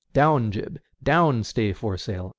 Down jib ! down stay foresail